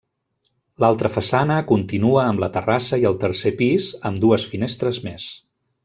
L'altra façana continua amb la terrassa i el tercer pis, amb dues finestres més.